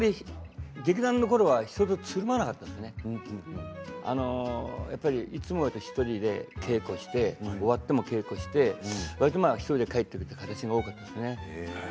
劇団のころは人とつるまなかったのでいつも１人で稽古して終わっても稽古をして１人で帰っていくという感じだったのでね。